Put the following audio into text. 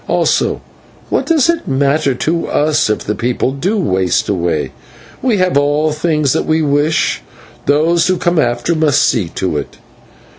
Also, what does it matter to us if the people do waste away? We have all things that we wish, those who come after must see to it."